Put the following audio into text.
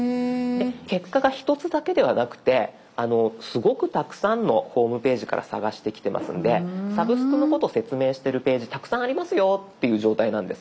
結果が１つだけではなくてすごくたくさんのホームページから探してきてますんで「サブスク」のこと説明してるページたくさんありますよっていう状態なんです。